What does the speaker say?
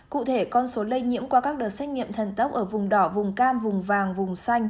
cụ thể con số lây nhiễm qua các đợt xét nghiệm thần tốc ở vùng đỏ vùng cam vùng vàng vùng xanh